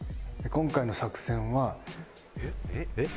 今回の作戦は。えっ？えっ？